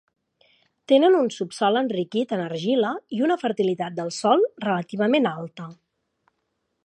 Tenen un subsòl enriquit en argila i una fertilitat del sòl relativament alta.